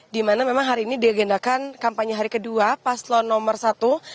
dimana memang hari ini diagendakan kampanye hari kedua paslon nomor satu